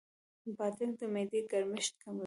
بادرنګ د معدې ګرمښت کموي.